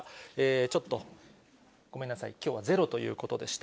ちょっとごめんなさい、きょうはゼロということでした。